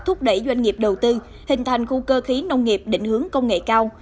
thúc đẩy doanh nghiệp đầu tư hình thành khu cơ khí nông nghiệp định hướng công nghệ cao